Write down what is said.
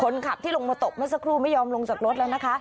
คนขับที่ลงมาตบเมื่อสักครู่ไม่ยอมลงจากรถแล้วนะคะ